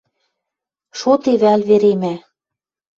Шоде вӓл веремӓ